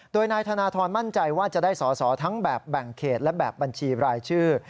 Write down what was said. โดยนายธนทรมั่นใจว่าจะได้สอสอทั้งแบบแบ่งเขตและแบบบัญชีรายชื่อ